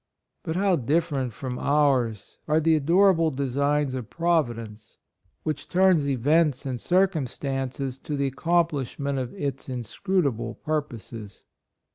But how different from ours are the adorable designs of Providence which turns events and circum 36 MILITARY LIFE, stances to the accomplishment of its inscrutable purposes.